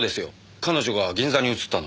彼女が銀座に移ったの。